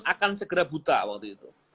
akan segera buta waktu itu